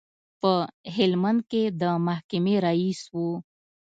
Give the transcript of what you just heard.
په هلمند کې د محکمې رئیس و.